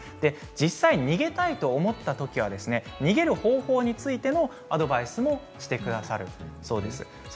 実際、逃げたいと思った時は逃げる方法についてもアドバイスをしてくださるそうです。